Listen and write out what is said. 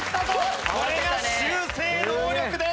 これが修正能力です！